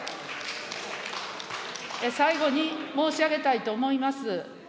最後に申し上げたいと思います。